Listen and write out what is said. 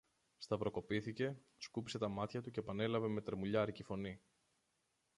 Σταυροκοπήθηκε, σκούπισε τα μάτια του κι επανέλαβε με τρεμουλιάρικη φωνή